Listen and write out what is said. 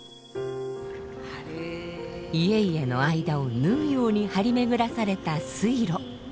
家々の間を縫うように張り巡らされた水路。